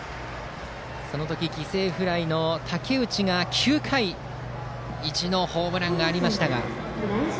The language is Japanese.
その時、犠牲フライの武内が９回意地のホームランがありましたが。